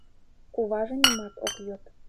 Куваже нимат ок йод.